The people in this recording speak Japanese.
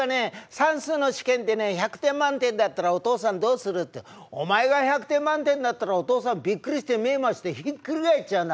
算数の試験でね１００点満点だったらお父さんどうする？」って言うと「お前が１００点満点だったらお父さんびっくりして目ぇ回してひっくり返っちゃうな」。